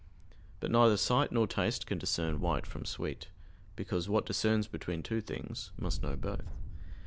But neither sight nor taste can discern white from sweet: because what discerns between two things must know both.